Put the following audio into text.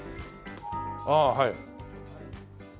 ああはい。